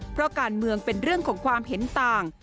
เพราะการเมืองเป็นเรื่องของความเห็นต่าง